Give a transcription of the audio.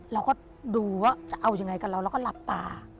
เราก็ดูว่าจะเอายังไงกับเราแล้วก็หลับตา